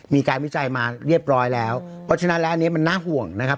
วิจัยมาเรียบร้อยแล้วเพราะฉะนั้นแล้วอันนี้มันน่าห่วงนะครับ